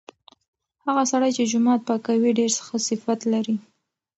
هغه سړی چې جومات پاکوي ډیر ښه صفت لري.